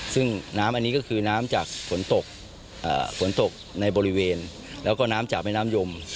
ซึ่งน้ำอันนี้ก็คือน้ำจากฝนตกฝนตกในบริเวณแล้วก็น้ำจากแม่น้ำยม